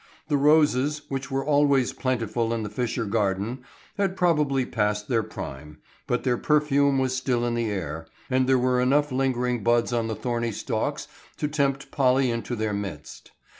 The roses, which were always plentiful in the Fisher garden, had probably passed their prime, but their perfume was still in the air, and there were enough lingering buds on the thorny stalks to tempt Polly into their midst.